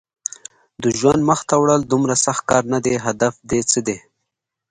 د ژوند مخته وړل دومره سخت کار نه دی، هدف دې څه دی؟